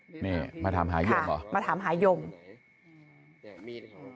นี่มาถามหายมเหรอมาถามหายมโอ้โห